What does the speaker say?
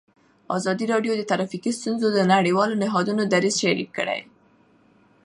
ازادي راډیو د ټرافیکي ستونزې د نړیوالو نهادونو دریځ شریک کړی.